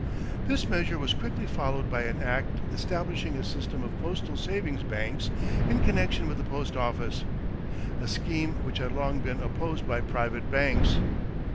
This measure was quickly followed by an act establishing a system of postal savings banks in connection with the post office a scheme which had long been opposed by private banks.